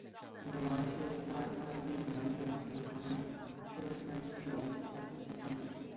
腺毛疏花穿心莲为爵床科穿心莲属下的一个变种。